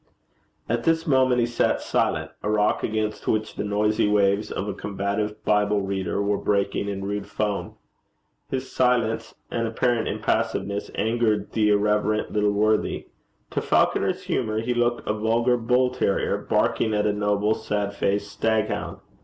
At this moment he sat silent a rock against which the noisy waves of a combative Bible reader were breaking in rude foam. His silence and apparent impassiveness angered the irreverent little worthy. To Falconer's humour he looked a vulgar bull terrier barking at a noble, sad faced staghound.